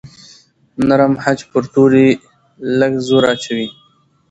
نرم خج پر توري لږ زور اچوي.